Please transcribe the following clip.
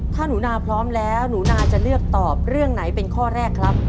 ถ้าหนูนาพร้อมแล้วหนูนาจะเลือกตอบเรื่องไหนเป็นข้อแรกครับ